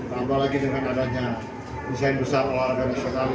tambah lagi dengan adanya desain besar olahraga nasional